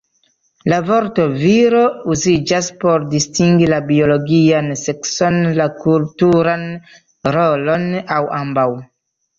La vorto "viro" uziĝas por distingi la biologian sekson, la kulturan rolon aŭ ambaŭ.